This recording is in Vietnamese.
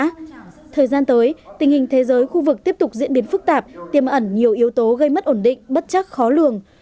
thời gian tới tình hình thế giới khu vực tiếp tục diễn biến phức tạp tiêm ẩn nhiều yếu tố gây mất ổn định bất chắc khó lường